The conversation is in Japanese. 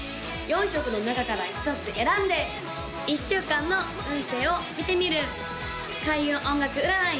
４色の中から１つ選んで１週間の運勢を見てみる開運音楽占い